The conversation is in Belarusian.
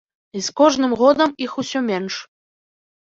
І з кожным годам іх усё менш.